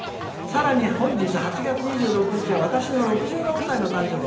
「さらに本日８月２６日は私の６６歳の誕生日」。